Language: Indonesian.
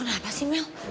kenapa sih mel